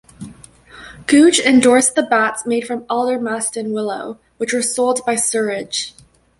Gooch endorsed the bats made from Aldermaston willow, which were sold by Surridge.